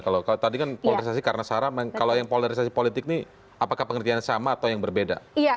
kalau tadi kan polarisasi karena sarah kalau yang polarisasi politik ini apakah pengertiannya sama atau yang berbeda